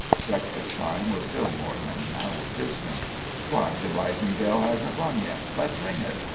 (Breakfast time was still more than an hour distant.) "Why, the rising bell hasn't rung yet! Let's ring it!"